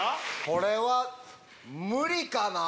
これは無理かな？